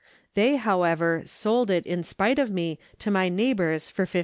They, however, sold it in spite of me to my neighbours for 50.